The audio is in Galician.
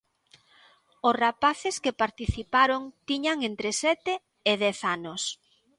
Os rapaces que participaron tiñan entre sete e dez anos.